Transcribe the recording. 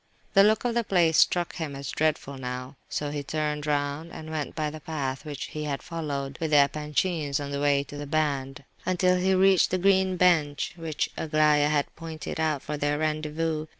The look of the place struck him as dreadful now: so he turned round and went by the path which he had followed with the Epanchins on the way to the band, until he reached the green bench which Aglaya had pointed out for their rendezvous.